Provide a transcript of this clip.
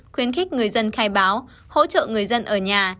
khuyến khích người dân khai báo hỗ trợ người dân ở nhà